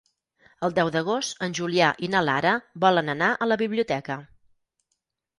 El deu d'agost en Julià i na Lara volen anar a la biblioteca.